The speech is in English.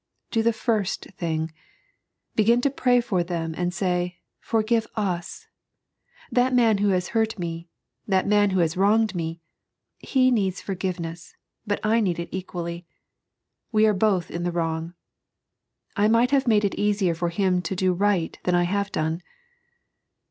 Do the first thing, begin to pray for them, and say :" Forgive us — that man who has hurt me, that man who has wronged me ; he needs forgiveness, but I need it equally. We are both in the wrong ; I might have made it easier for him to do right than I have done."